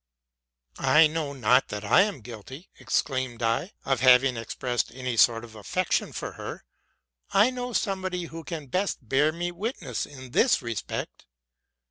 '? —'*I know not that I am guilty,'' exclaimed I, 'Cot 'having expressed any sort of affection for her. I know somebody who can best: bear me witness in this respect.